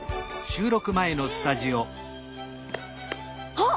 あっ！